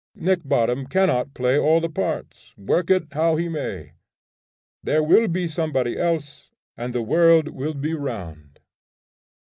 Nick Bottom cannot play all the parts, work it how he may; there will be somebody else, and the world will be round.